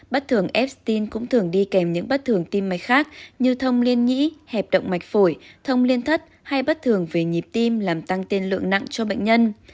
bắt thường epstein cũng thường đi kèm những bắt thường tim mạch khác như thông liên nhĩ hẹp động mạch phổi thông liên thất hay bắt thường về nhịp tim làm tăng tiên lượng nặng cho bệnh nhân